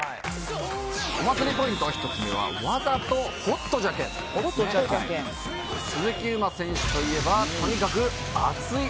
「お祭りポイント１つ目はわざとＨＯＴじゃけん」「鈴木優磨選手といえばとにかく熱い漢」